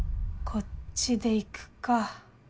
こっちでいくか。